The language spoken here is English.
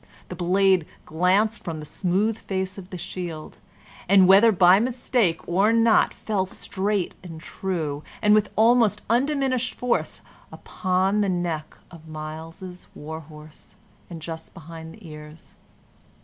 The blade glanced from the smooth face of the shield, and, whether by mistake or not, fell straight and true, and with almost undiminished force, upon the neck of Myles's war horse, and just behind the ears.